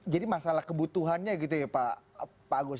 jadi masalah kebutuhannya gitu ya pak agus